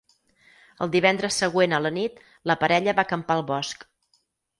El divendres següent a la nit, la parella va acampar al bosc.